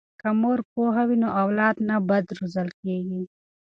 که مور پوهه وي نو اولاد نه بد روزل کیږي.